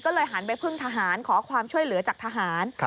ก็เลยหันไปพึ่งทหารขอความช่วยเหลือจากทหาร